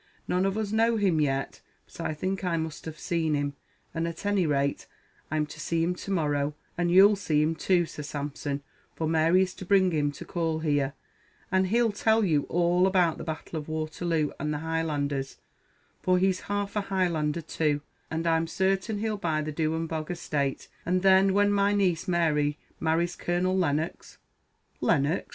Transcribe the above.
None of us know him yet, but I think I must have seen him; and at any rate I'm to see him to morrow, and you'll see him too, Sir Sampson, for Mary is to bring him to call here, and he'll tell you all about the battle of Waterloo, and the Highlanders; for he's half a Highlander too, and I'm certain he'll buy the Dhuanbog estate, and then, when my niece Mary marries Colonel Lennox " "Lennox!"